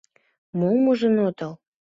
Мом ужын отыл?